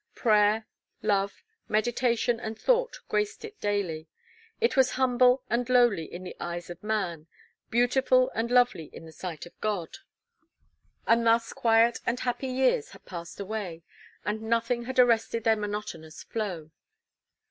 Prayer, Love, Meditation and Thought graced it daily. It was humble and lowly in the eyes of man; beautiful and lovely in the sight of God. And thus quiet and happy years had passed away, and nothing had arrested their monotonous flow.